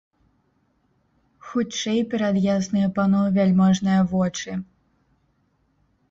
Хутчэй перад ясныя паноў вяльможныя вочы!